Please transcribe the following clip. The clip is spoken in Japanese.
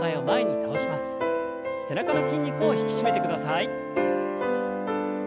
背中の筋肉を引き締めてください。